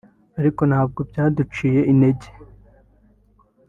ariko ntabwo byaduciye intege